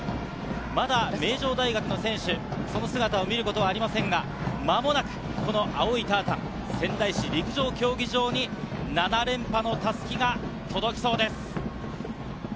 まだ名城大学の選手、その姿を見ることはありませんが、間もなくこの青いタータン、仙台市陸上競技場に７連覇の襷が届きそうです。